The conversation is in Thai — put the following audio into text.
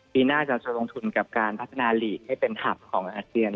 ปีหน้าเราจะลงทุนกับการพัฒนาหลีกให้เป็นหับของอาเจียน